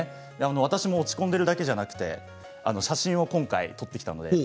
私も落ち込んでいるだけではなくて、写真を今回撮ってきました。